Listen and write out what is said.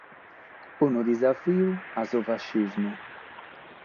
Unu disafiu a su fascismu.